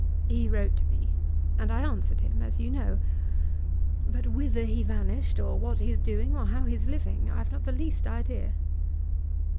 "He wrote to me, and I answered him, as you know. But whither he vanished, or what he is doing, or how he is living, I have not the least idea."